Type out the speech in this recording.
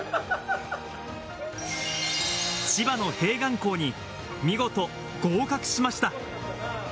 千葉の併願校に見事合格しました。